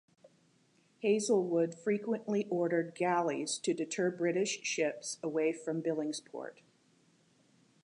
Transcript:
Hazelwood frequently ordered galleys to deter British ships away from Billingsport.